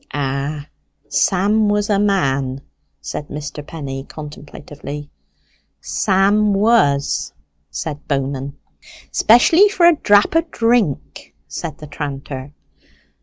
"Ah, Sam was a man," said Mr. Penny, contemplatively. "Sam was!" said Bowman. "Especially for a drap o' drink," said the tranter.